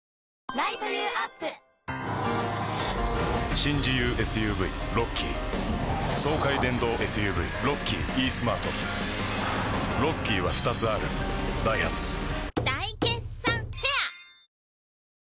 新自由ＳＵＶロッキー爽快電動ＳＵＶロッキーイースマートロッキーは２つあるダイハツ大決算フェア